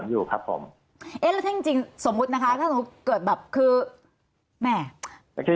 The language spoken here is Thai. อยู่ครับผมเอ๊ะแล้วถ้าจริงจริงสมมุตินะคะถ้าสมมุติเกิดแบบคือแม่